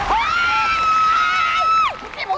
โอ้โห